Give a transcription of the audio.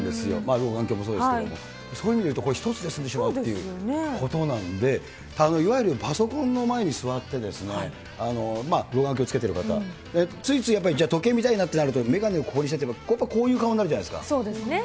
老眼鏡もそうですけれども、そういう意味でいうとこれ、１つで済んでしまうということなんで、いわゆるパソコンの前に座って、老眼鏡つけてる方、ついついやっぱり、じゃあ時計見たいなとなって、眼鏡ここにしてても、やっぱりこそうですね。